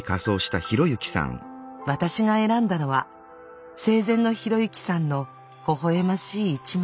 私が選んだのは生前の啓之さんのほほ笑ましい一枚。